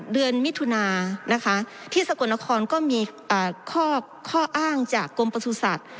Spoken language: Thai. เดือนมิถุนานะคะที่สกลนครก็มีข้ออ้างจากกรมประสุทธิ์